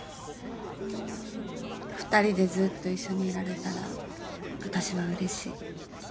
二人でずっと一緒にいられたら私はうれしい。